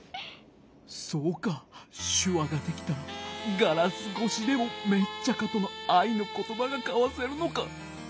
そうかしゅわができたらガラスごしでもメッチャカとのあいのことばがかわせるのか。